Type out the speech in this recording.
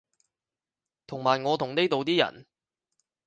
同埋我同呢度啲人